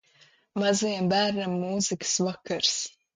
Mazajam bērnam mūzikas vakars.